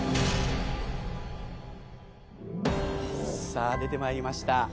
さあ出て参りました。